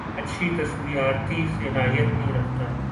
اچھی تصوارتی صلاحیت نہیں رکھتا